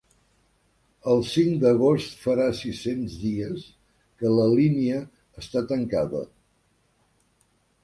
El cinc d’agost farà sis-cents dies que la línia està tancada.